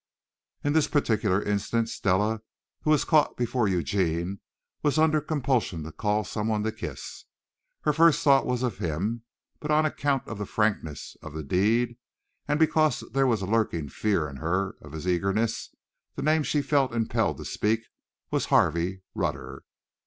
In this particular instance Stella, who was caught before Eugene, was under compulsion to call someone to kiss. Her first thought was of him, but on account of the frankness of the deed, and because there was a lurking fear in her of his eagerness, the name she felt impelled to speak was Harvey Rutter.